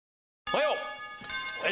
おはよう。